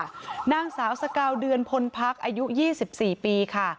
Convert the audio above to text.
หน้าสาวสกาลเดือนพลผักอายุยี่สิบสี่ปีค่ะ